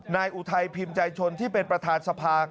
อุทัยพิมพ์ใจชนที่เป็นประธานสภา